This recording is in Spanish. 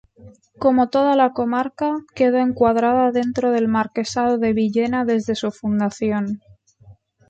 Como toda la comarca, quedó encuadrada dentro del marquesado de Villena desde su fundación.